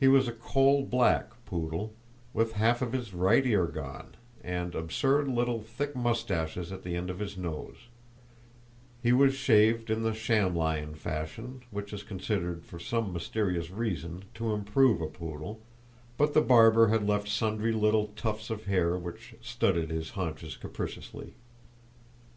He was a coal black poodle, with half of his right ear gone, and absurd little thick moustaches at the end of his nose; he was shaved in the shamlion fashion, which is considered, for some mysterious reason, to improve a poodle, but the barber had left sundry little tufts of hair, which studded his haunches capriciously.